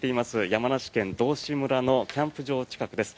山梨県道志村のキャンプ場近くです。